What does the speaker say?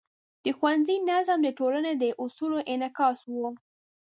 د ښوونځي نظم د ټولنې د اصولو انعکاس و.